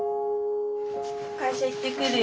会社行ってくるよ。